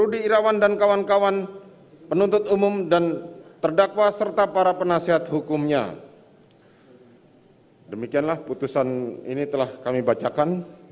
dan ini telah kami bacakan